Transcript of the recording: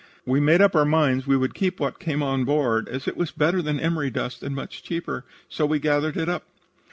We made up our minds we would keep what came on board, as it was better than the emery dust and much cheaper, so we gathered it up.